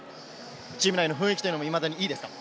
チーム内の雰囲気もいいですか？